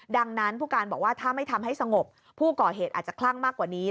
ดังนั้นผู้การบอกว่าถ้าไม่ทำให้สงบผู้ก่อเหตุอาจจะคลั่งมากกว่านี้